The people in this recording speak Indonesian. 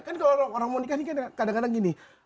kan kalau orang mau nikah ini kan kadang kadang gini